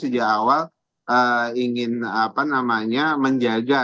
sejak awal ingin apa namanya menjaga